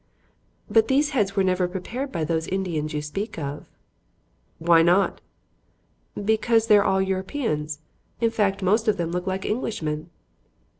"But these heads were never prepared by those Indians you speak of." "Why not?" "Because they are all Europeans; in fact, most of them look like Englishmen."